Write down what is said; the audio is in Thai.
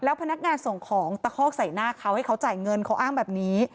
พนักงานส่งของตะคอกใส่หน้าเขาให้เขาจ่ายเงินเขาอ้างแบบนี้